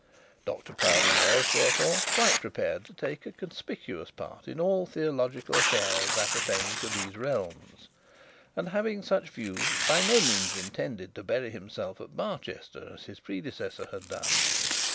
Dr Proudie was, therefore, quite prepared to take a conspicuous part in all theological affairs appertaining to these realms; and having such views, by no means intended to bury himself at Barchester as his predecessor had done.